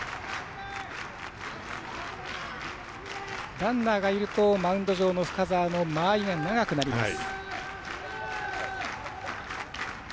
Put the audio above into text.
ランナーがいるとマウンド上の深沢の間合いが長くなります。